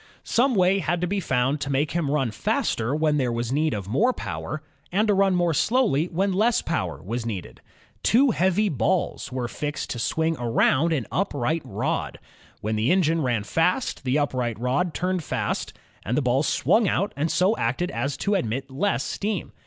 Some way had to be found to make him run faster when there was need of more power, and to run more slowly when less power was needed. Two heavy balls were fixed to swing around an up right rod. When the engine ran fast, the upright rod turn ed fast, and the balls swung out and so acted as to admit less steam.